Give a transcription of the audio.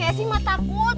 eh si ma takut